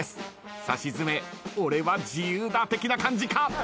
さしずめ俺は自由だ的な感じか。